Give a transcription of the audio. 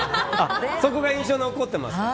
そこが印象に残っていますから。